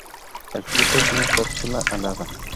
El fruto es una cápsula alada.